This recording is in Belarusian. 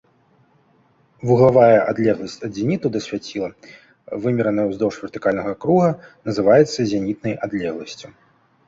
Вуглавая адлегласць ад зеніту да свяціла, вымераная ўздоўж вертыкальнага круга, называецца зенітнай адлегласцю.